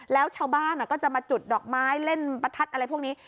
แล้วชาวบ้านก็จะมาจุดดอกไม้เล่นประทัดอะไรพวกนี้